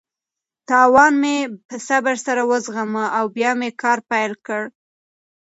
تاوان مې په صبر سره وزغمه او بیا مې کار پیل کړ.